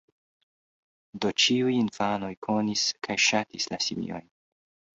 Do ĉiuj infanoj konis kaj ŝatis la simiojn.